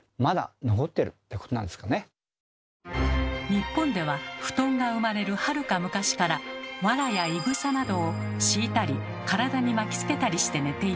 日本では布団が生まれるはるか昔からわらやイグサなどを敷いたり体に巻きつけたりして寝ていました。